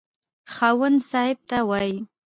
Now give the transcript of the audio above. خاوند صاحب ته وايي.